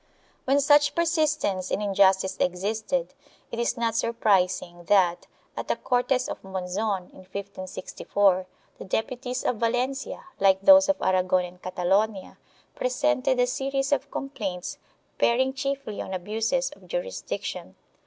2 When such persistence in injus tice existed, it is not surprising that, at the Cortes of Monzon, in 1564, the deputies of Valencia, like those of Aragon and Catalonia, presented a series of complaints, bearing chiefly on abuses of jurisdiction.